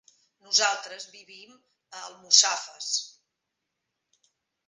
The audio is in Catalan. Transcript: Nosaltres vivim a Almussafes.